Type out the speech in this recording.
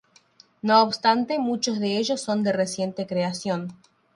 No obstante, muchos de ellos son de reciente creación.